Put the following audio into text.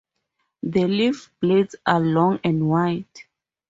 The leaf blades are long and wide.